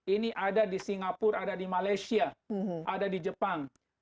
ini ada di singapura ada di malaysia ada di jepang